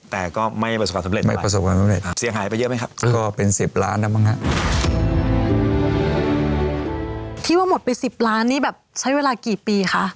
แต่ก็ไม่ประสบศัพท์สำเร็จ